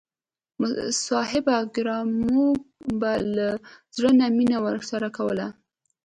صحابه کرامو به له زړه نه مینه ورسره کوله.